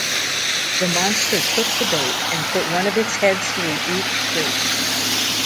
The monster took the bait and put one of its heads through each gate.